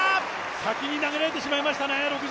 先に投げられてしまいましたね、６５ｍ。